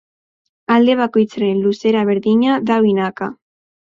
Alde bakoitzaren luzera berdina da binaka.